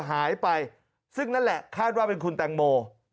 หายไปซึ่งนั่นแหละคาดว่าเป็นคุณแตงโม